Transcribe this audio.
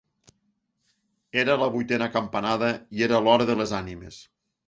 Era la vuitena campanada i era l'hora de les ànimes.